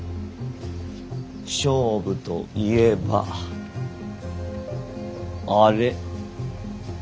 勝負といえばあれ。